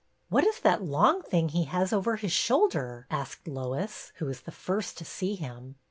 What is that long thing he has over his shoulder ?'' asked Lois, who was the first to see him.